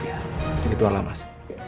iya bisa dituan lah mas